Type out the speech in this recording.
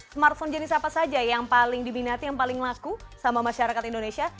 smartphone jenis apa saja yang paling diminati yang paling laku sama masyarakat indonesia